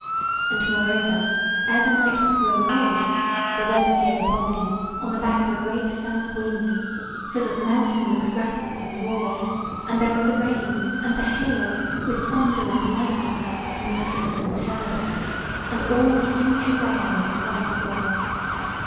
And, moreover, ere the night was grown old, the weather came upon him on the back of a great south wind, so that the mountain nooks rattled and roared, and there was the rain and the hail, with thunder and lightning, monstrous and terrible, and all the huge array of a summer storm.